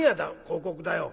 広告だよ」。